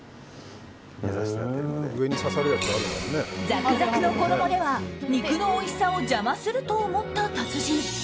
ザクザクの衣では肉のおいしさを邪魔すると思った達人。